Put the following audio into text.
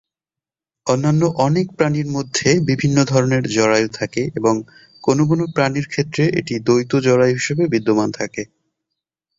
অন্যান্য অনেক প্রাণীর মধ্যে বিভিন্ন ধরনের জরায়ু থাকে এবং কোন কোন প্রাণীর ক্ষেত্রে এটি দ্বৈত জরায়ু হিসেবে বিদ্যমান থাকে।